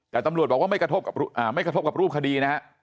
แต่ตำรวจบอกว่าไม่กระทบกับรูปคดีนะฮะ